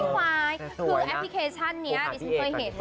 ควายคือแอปพลิเคชันนี้ดิฉันเคยเห็น